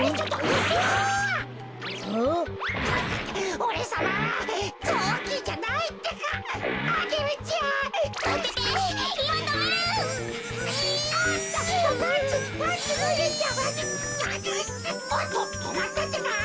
おっととまったってか？